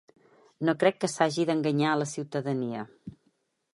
No crec que s’hagi d’enganyar la ciutadania.